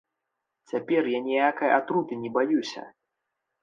Цяпер я ніякай атруты не баюся.